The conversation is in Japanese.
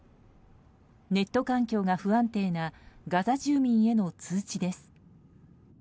ネット環境が不安定なガザ住民への通知です。